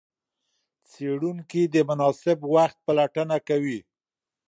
څېړونکي د مناسب وخت پلټنه کوي.